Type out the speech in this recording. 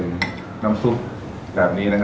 สูดไม่ได้นะ